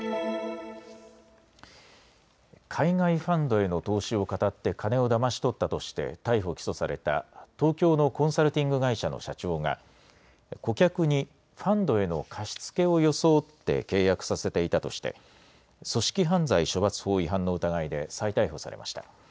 海外ファンドへの投資をかたって金をだまし取ったとして逮捕・起訴された東京のコンサルティング会社の社長が顧客にファンドへの貸し付けを装って契約させていたとして組織犯罪処罰法違反の疑いで再逮捕されました。